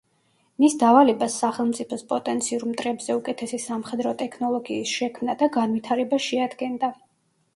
მის დავალებას სახელმწიფოს პოტენციურ მტრებზე უკეთესი სამხედრო ტექნოლოგიის შექმნა და განვითარება შეადგენდა.